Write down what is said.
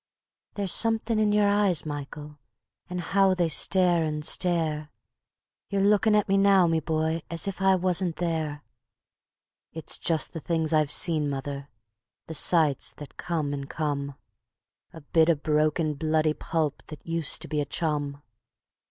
..." "There's something in your eyes, Michael, an' how they stare and stare You're lookin' at me now, me boy, as if I wasn't there. ..." "It's just the things I've seen, mother, the sights that come and come, A bit o' broken, bloody pulp that used to be a chum. ..